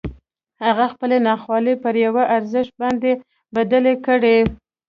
هغه خپلې ناخوالې پر یوه ارزښت باندې بدلې کړې